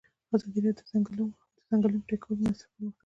ازادي راډیو د د ځنګلونو پرېکول پرمختګ سنجولی.